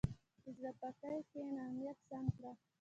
په زړه پاکۍ کښېنه، نیت سم کړه.